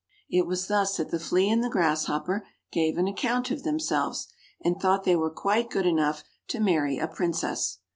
It was thus that the Flea and the Grasshopper gave an account of themselves, and thought they were quite good enough to marry a Princess.